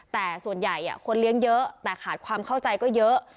แต่ส่วนใหญ่คนเลี้ยงเยอะแต่ขาดความเข้าใจก็เยอะ